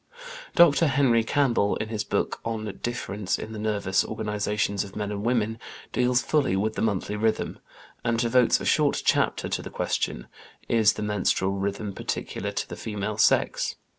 Dr. Harry Campbell, in his book on Differences in the Nervous Organization of Men and Women, deals fully with the monthly rhythm (pp. 270 et seq.), and devotes a short chapter to the question, "Is the Menstrual Rhythm peculiar to the Female Sex?"